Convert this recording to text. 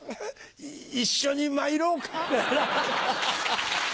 一緒にまいろうか？